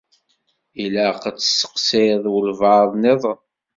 Ilaq ad testeqsiḍ walebɛaḍ-nniḍen.